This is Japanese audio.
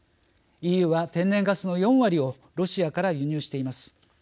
ＥＵは天然ガスの４割をロシアから輸入しています。